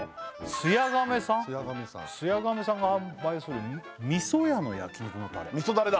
すや亀さんが販売するみそ屋の焼肉のタレみそダレだ！